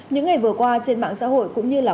những ngày vừa qua trên mạng xã hội cũng như là